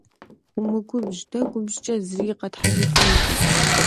Умыгубжь, дэ губжькӏэ зыри къэтхьыжыфынукъым.